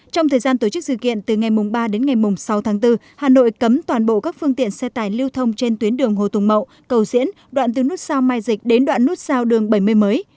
trong thời gian tổ chức dự kiện từ ngày ba đến ngày sáu tháng bốn hà nội cấm toàn bộ các phương tiện xe tải lưu thông trên tuyến đường hồ tùng mậu cầu diễn đoạn từ nút sao mai dịch đến đoạn nút sao đường bảy mươi mới